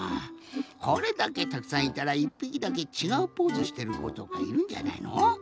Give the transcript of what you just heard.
これだけたくさんいたら１ぴきだけちがうポーズしてることかいるんじゃないの？